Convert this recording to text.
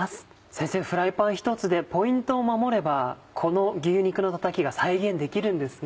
先生フライパン１つでポイントを守ればこの牛肉のたたきが再現できるんですね。